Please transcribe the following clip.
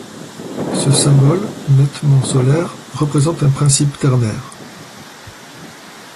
Ce symbole, nettement solaire, représente un principe ternaire.